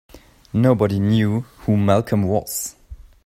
Nobody knew who Malcolm was.